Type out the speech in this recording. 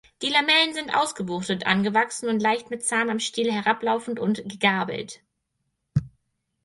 Die Lamellen sind ausgebuchtet angewachsen und leicht mit Zahn am Stiel herablaufend und gegabelt.